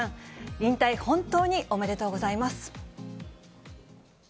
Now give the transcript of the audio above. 引退、本当におめでとうございます。